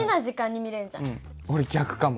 俺逆かも。